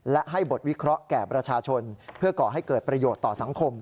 และให้บทวิเคราะห์แก่ประชาชนเพื่อก่อให้เกิดประโยชน์ต่อสังคม